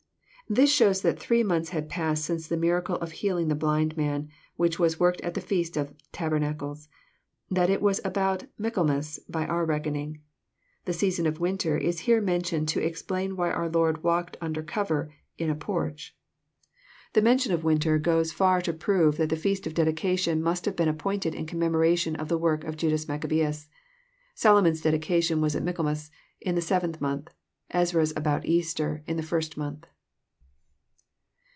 ] This shows that three months had passed since the miracle of healing the blind man, which was worked at the feast of tabernacles. That was about Michaelmas, by our reckoning. The season of winter is here mentioned to ex plain why our Lord walked under cover, in a porch.' 208 EXFOsrroBT rHOUGRxs. The mention of winter goes far to prove that the feast of dedi* cation mast have been appointed in commemoration of the work of Jadas Maccabeus. Solomon's dedication was at Michael mas, in the seventh month ; Ezra's about Easter, in the first month.